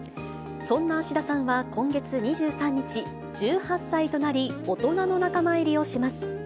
そんな芦田さんは、今月２３日、１８歳となり、大人の仲間入りをします。